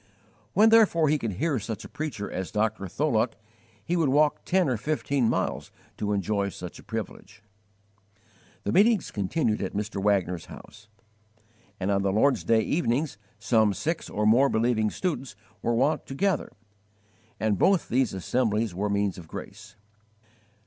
When, therefore, he could hear such a preacher as Dr. Tholuck, he would walk ten or fifteen miles to enjoy such a privilege. The meetings continued at Mr. Wagner's house; and on the Lord's day evenings some six or more believing students were wont to gather, and both these assemblies were means of grace.